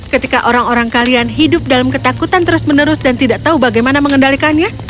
ketika orang orang kalian hidup dalam ketakutan terus menerus dan tidak tahu bagaimana mengendalikannya